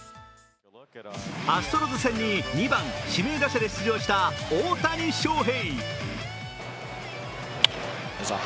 アストロズ戦に２番・指名打者で出場した大谷翔平。